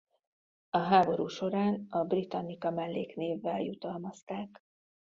A háború során a Britannica melléknévvel jutalmazták.